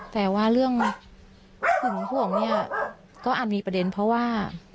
แต่ว่าเรื่องหึงห่วงเนี่ยก็อาจมีประเด็นเพราะว่า